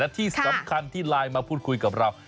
ที่สำคัญที่ไลน์มาพูดคุยกับเรา